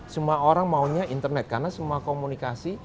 semua orang maunya internet karena semua komunikasi